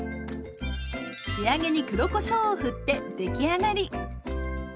仕上げに黒こしょうをふって出来上がり。